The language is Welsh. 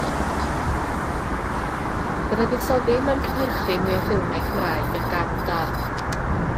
Byddai buddsoddi mewn cynhyrchu mwy o ffilmiau Cymraeg yn gam da.